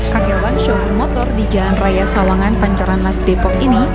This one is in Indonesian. kargawan syokur motor di jalan raya sawangan panjaran mas depok ini